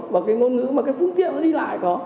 bằng cái ngôn ngữ mà cái phương tiện nó đi lại có